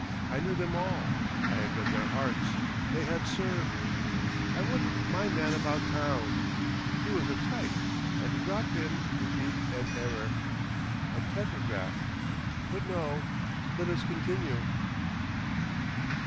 I knew them all; I had read their hearts; they had served. I wanted my Man About Town. He was a type, and to drop him would be an error—a typograph—but no! let us continue.